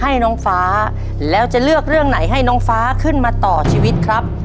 ให้น้องฟ้าแล้วจะเลือกเรื่องไหนให้น้องฟ้าขึ้นมาต่อชีวิตครับ